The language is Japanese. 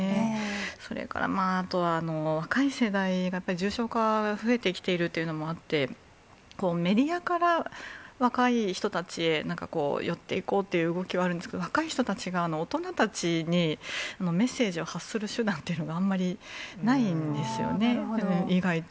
それからまあ、あとは若い世代がやっぱり重症化、増えてきているというのもあって、メディアから若い人たちへなんか寄っていこうっていう動きはあるんですけど、若い人たちが大人たちにメッセージを発する手段っていうのが、あんまりないんですよね、意外と。